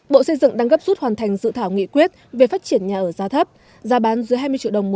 bộ xây dựng đang gấp rút hoàn thành dự thảo nghị quyết về phát triển nhà ở giá thấp giá bán dưới hai mươi triệu đồng